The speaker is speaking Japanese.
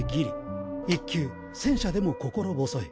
戦車でも心細い。